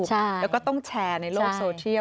แล้วก็ต้องแชร์ในโลกโซเชียล